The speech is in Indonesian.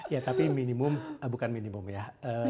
ya tapi minimum bukan minimum ya